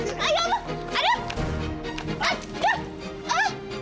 bicara tentang apa